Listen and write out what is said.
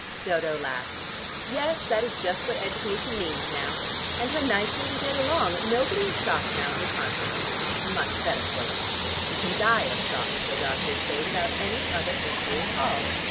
Dodo laughed. "Yes, that is just what education means now. And how nicely we get along. Nobody is shocked now, in consequence, which is much better for them. You can die of shock, so doctors say, without any other injury at all.